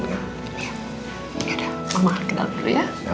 mama akan ke dalam dulu ya